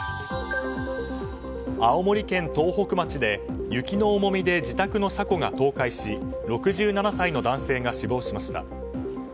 青森県東北町で雪の重みで自宅の車庫が倒壊し６７歳の男性が死亡しました。